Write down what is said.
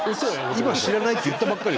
今「知らない」って言ったばっかり。